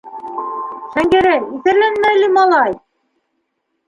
Шәңгәрәй, иҫәрләнмә әле, малай!